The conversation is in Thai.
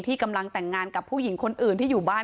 กำลังแต่งงานกับผู้หญิงคนอื่นที่อยู่บ้าน